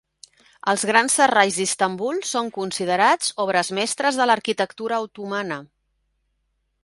Els grans serralls d'Istanbul són considerats obres mestres de l'arquitectura otomana.